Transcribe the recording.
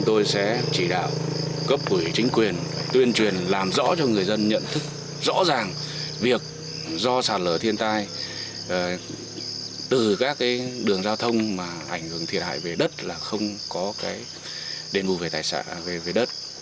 từ các đường giao thông mà ảnh hưởng thiệt hại về đất là không có đền bù về đất